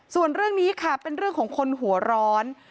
ส่วนเรื่องนี้ค่ะเป็นเรื่องของคนหัวร้อน